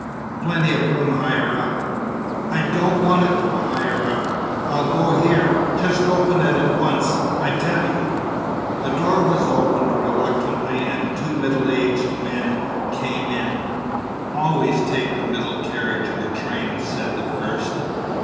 "Plenty of room higher up." "I don't want to go higher up. I'll go here. Just open it at once, I tell you." The door was opened reluctantly, and two middle aged men came in. "Always take the middle carriage of a train," said the first.